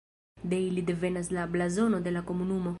De ili devenas la blazono de la komunumo.